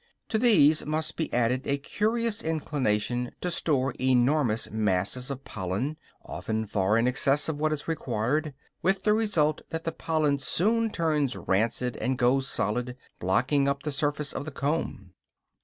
To these must be added a curious inclination to store enormous masses of pollen, often far in excess of what is required; with the result that the pollen soon turns rancid and goes solid, blocking up the surface of the comb.